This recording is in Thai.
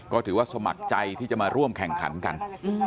ก็ถือว่าสมัครใจที่จะมาร่วมแข่งขันกัน